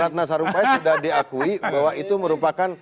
ratna sarumpait sudah diakui bahwa itu merupakan